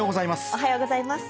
おはようございます。